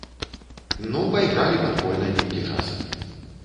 Ну пайгралі падпольна нейкі час.